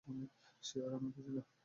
সে আর আমি বুঝি না?